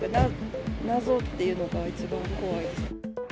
謎っていうのが一番怖いです。